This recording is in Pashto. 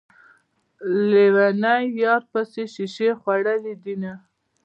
ليونی يار پسې شيشې خوړلي دينه